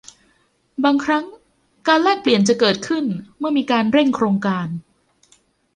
บางครั้งการแลกเปลี่ยนจะเกิดขึ้นเมื่อมีการเร่งโครงการ